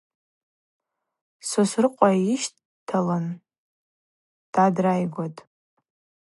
Сосрыкъва йыщталын дгӏадрайгватӏ.